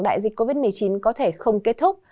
đại dịch covid một mươi chín có thể không kết thúc